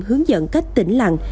hướng dẫn cách tỉnh lặng